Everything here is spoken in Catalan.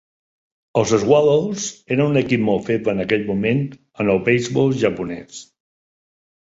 Els Swallows eren un equip molt feble en aquell moment en el beisbol japonès.